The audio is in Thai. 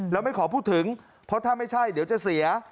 แล้วไม่ขอพูดถึงเพราะถ้าไม่ใช่เดี๋ยวจะเสีย